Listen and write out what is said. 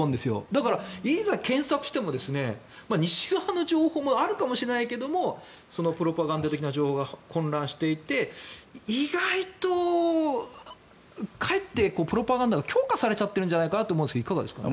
だから、いくら検索しても西側の情報もあるかもしれないけれどもプロパガンダ的な情報が混乱していて意外とかえってプロパガンダが強化されてるんじゃないかと思うんですが、いかがですか？